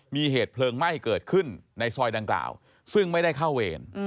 มีเหตุเพลิงไหม้เกิดขึ้นในซอยดังกล่าวซึ่งไม่ได้เข้าเวร